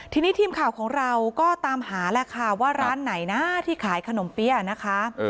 ทีนี้ทีมข่าวของเราก็ตามหาแล้วค่ะว่าร้านไหนนะที่ขายขนมเปี้ยนะคะ